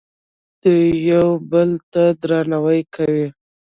دوی یو بل ته درناوی کوي.